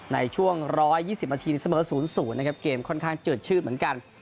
ในช่วง๑๒๐นาทีในสำหรับ๐๐รอบเกมส์ค่อนข้างจึดชืดเหมือนกัน